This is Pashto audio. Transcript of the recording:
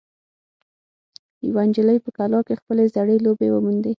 یوه نجلۍ په کلا کې خپلې زړې لوبې وموندې.